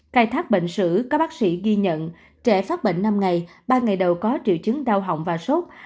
cài thác bệnh sử các bác sĩ ghi nhận trẻ phát bệnh năm ngày ba ngày đầu có triệu chứng đau hỏng và sốt